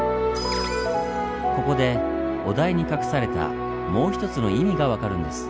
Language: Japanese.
ここでお題に隠されたもうひとつの意味が分かるんです。